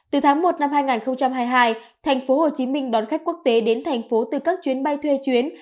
từ tháng một năm hai nghìn hai mươi hai thành phố hồ chí minh đón khách quốc tế đến thành phố từ các chuyến bay thuê chuyến